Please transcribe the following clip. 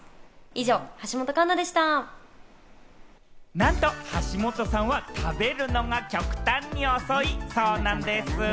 なんと、橋本さんは食べるのが極端に遅いそうなんです。